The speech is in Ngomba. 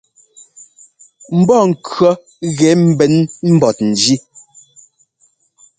Mbɔ́ŋkʉ̈ɔ gɛ mbɛn mbɔt njí.